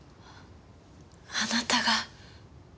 あなたが。